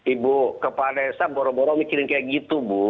ibu kepala desa boro boro mikirin kayak gitu bu